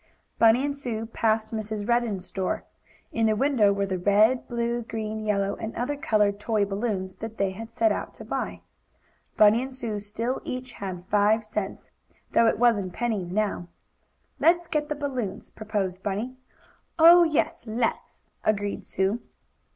Bunny and Sue passed Mrs. Redden's store. In the window were the red, blue, green, yellow and other colored toy balloons that they had set out to buy. Bunny and Sue still each had five cents, though it was in pennies now. "Let's get the balloons," proposed Bunny. "Oh, yes; let's!" agreed Sue.